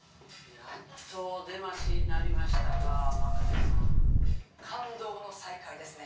「やっとお出ましになりましたか真壁さん」「感動の再会ですね